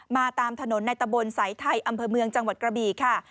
ตามถนนในตะบนสายไทยอำเภอเมืองจังหวัดกระบี่ค่ะ